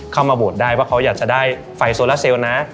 เข้ามาโหวตได้ว่าเขาอยากจะได้ไฟโซลาเซลล์นะ